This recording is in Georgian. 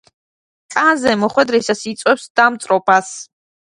კანზე მოხვედრისას იწვევს დამწვრობას.